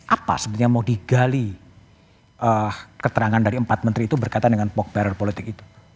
apa sebenarnya mau digali keterangan dari empat menteri itu berkaitan dengan barrier politik itu